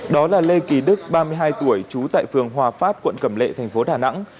đó là lê kỳ đức ba mươi hai tuổi trú tại phường hòa pháp quận cẩm lệ thành phố đà nẵng